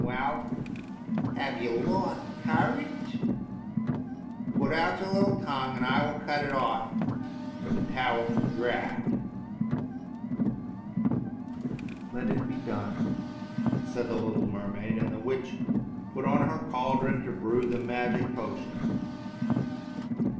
Well ! have you lost courage ? Put out your little tongue and I will cut it off in payment for the powerful draught." " Let it be done.*' said the little mermaid, and the witch put on her cauldron to brew the magic potion.